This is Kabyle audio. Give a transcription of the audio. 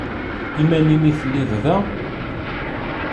I iman-im i telliḍ da?